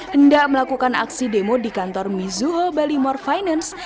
hendak melakukan aksi demo di kantor mizuho balimore finance